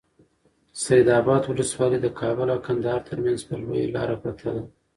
سید اباد ولسوالي د کابل او کندهار ترمنځ پر لویه لاره پرته ده.